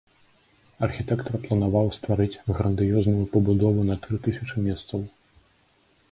Архітэктар планаваў стварыць грандыёзную пабудову на тры тысячы месцаў.